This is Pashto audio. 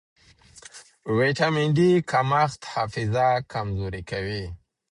ویټامن ډي کمښت حافظه کمزورې کوي.